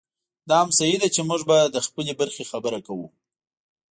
دا هم صحي ده چې موږ به د خپلې برخې خبره کوو.